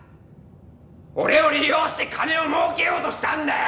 俺を利用して金を儲けようとしたんだよ！！